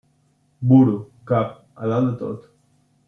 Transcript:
Buru 'cap, a dalt de tot'.